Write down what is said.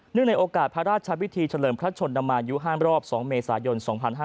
เนื่องในโอกาสพระราชวิธีเฉลิมพระชนมายุห้ามรอบ๒เมษายน๒๕๕๘